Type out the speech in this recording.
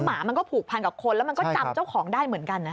หมามันก็ผูกพันกับคนแล้วมันก็จำเจ้าของได้เหมือนกันนะ